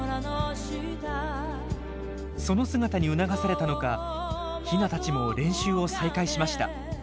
その姿に促されたのかヒナたちも練習を再開しました。